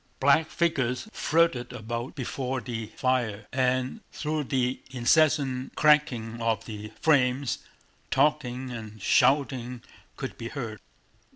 Black figures flitted about before the fire, and through the incessant crackling of the flames talking and shouting could be heard.